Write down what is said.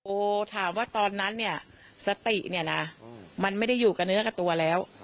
ถามว่าตอนนั้นเนี่ยสติเนี่ยนะมันไม่ได้อยู่กับเนื้อกับตัวแล้ว